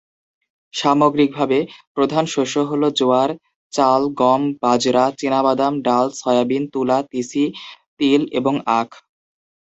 সামগ্রিকভাবে, প্রধান শস্য হল জোয়ার, চাল, গম, বাজরা, চিনাবাদাম, ডাল, সয়াবিন, তুলা, তিসি, তিল এবং আখ।